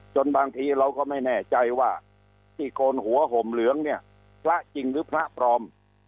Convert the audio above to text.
บางทีเราก็ไม่แน่ใจว่าที่โกนหัวห่มเหลืองเนี่ยพระจริงหรือพระปลอม